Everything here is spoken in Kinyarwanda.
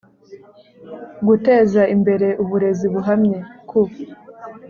guteza imbere uburezi buhamye ku